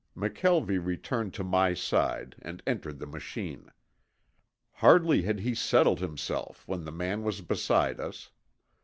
McKelvie returned to my side and entered the machine. Hardly had he settled himself when the man was beside us.